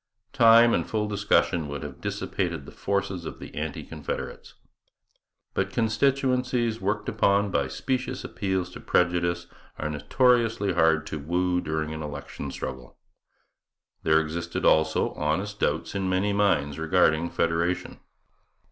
Time and full discussion would have dissipated the forces of the anti confederates. But constituencies worked upon by specious appeals to prejudice are notoriously hard to woo during an election struggle. There existed also honest doubts in many minds regarding federation.